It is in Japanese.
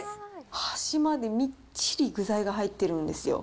端までみっちり具材が入ってるんですよ。